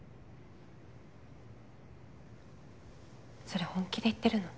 それ本気で言ってるの？